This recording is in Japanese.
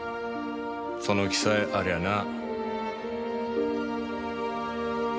その気さえありゃな。